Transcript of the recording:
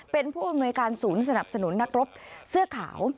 เป็นผู้อำนวยการศูนย์สนับสนุนนักรบเสื้อขาว